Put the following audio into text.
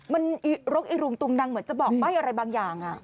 มันรกอีรุงตุงนังเหมือนจะบอกใบ้อะไรบางอย่าง